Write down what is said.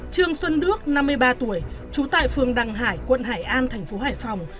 trương xuân đức năm mươi ba tuổi trú tại phường đăng hải quận hải an tp hải phòng